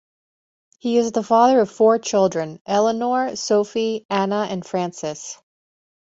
He is the father of four children: Eleonore, Sophie, Anna and Francis.